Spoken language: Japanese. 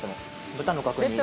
豚の角煮。